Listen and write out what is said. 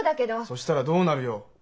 そしたらどうなるよ？